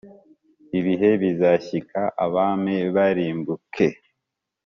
Ibihe bizashyika abami barimbuke